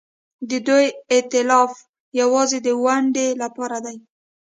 د دوی ائتلاف یوازې د ونډې لپاره دی.